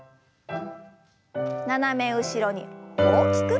斜め後ろに大きく。